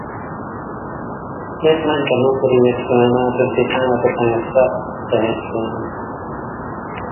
This line can be also used for emergency power supply of substations.